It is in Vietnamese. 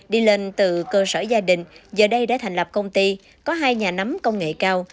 đi lên từ cơ sở gia đình giờ đây đã thành lập công ty có hai nhà nắm công nghệ cao